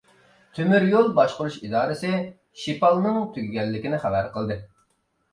تۆمۈر يول باشقۇرۇش ئىدارىسى شىپالنىڭ تۈگىگەنلىكىنى خەۋەر قىلدى.